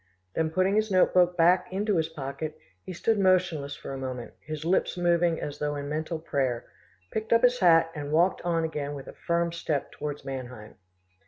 Then putting his note book back into his pocket, he stood motionless for a moment, his lips moving as though in mental prayer, picked up his hat, and walked on again with a firm step towards Mannheim.